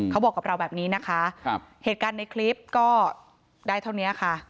เขาบอกกับเราแบบนี้นะคะเหตุการณ์ในคลิปก็ได้เท่านี้ค่ะ